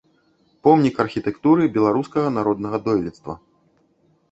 Помнік архітэктуры беларускага народнага дойлідства.